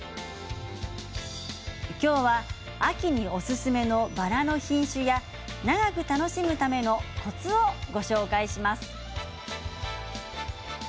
今日は秋におすすめのバラの品種や長く楽しむためのコツをご紹介します。